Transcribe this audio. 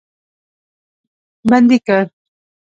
بندي کړ.